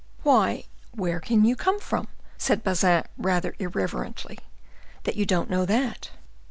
"Why, where can you come from," said Bazin, rather irreverently, "that you don't know that?"